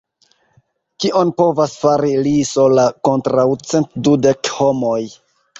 Kion povas fari li sola kontraŭ cent dudek homoj?